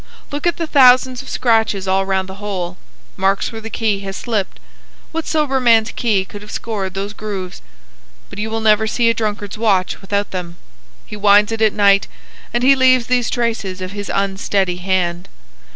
Look at the thousands of scratches all round the hole,—marks where the key has slipped. What sober man's key could have scored those grooves? But you will never see a drunkard's watch without them. He winds it at night, and he leaves these traces of his unsteady hand.